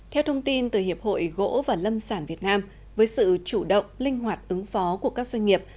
theo thông tin từ hiệp hội gỗ và lâm sản việt nam với sự chủ động linh hoạt ứng phó của các doanh nghiệp